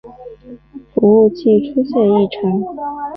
服务器出现异常